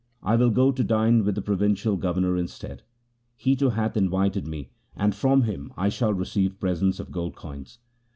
I will go to dine with the provincial governor instead. He too hath invited me, and from him I shall receive presents of gold coins.'